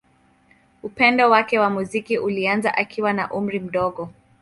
Upendo wake wa muziki ulianza akiwa na umri mdogo.